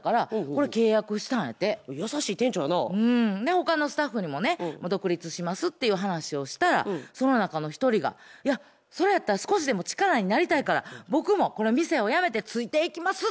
他のスタッフにもね独立しますっていう話をしたらその中の一人が「それやったら少しでも力になりたいから僕もこの店を辞めてついていきます」って言うてくれたんやて。